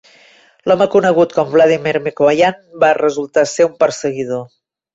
L'home conegut com Vladimir Mikoian va resultar ser un perseguidor.